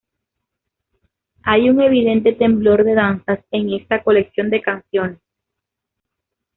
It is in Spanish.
Hay un evidente temblor de danzas en esta colección de canciones.